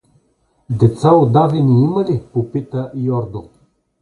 — Деца удавени има ли? — попита Йордо.